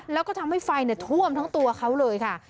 แล้วก็ทำให้ไฟท่วมทั้งตัวเขาเลยค่ะ